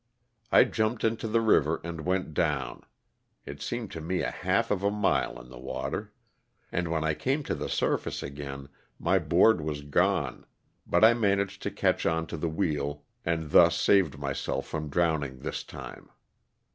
I jumped into the river and went down (it seemed to me a half of a mile in the water), and when I came to the surface again my board was gone but I managed to catch on to the wheel and thu ssaved myself from drowning this time.